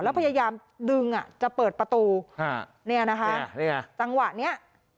แล้วพยายามดึงอ่ะจะเปิดประตูเนี่ยนะคะจังหวะเนี้ย